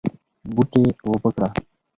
بوټي اوبه کړه